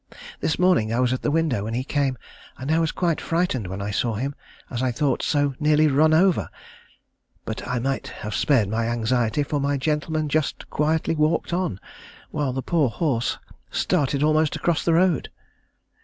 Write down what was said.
This morning I was at the window when he came, and I was quite frightened when I saw him, as I thought, so nearly run over. But I might have spared my anxiety, for my gentleman just walked quietly on, while the poor horse started almost across the road.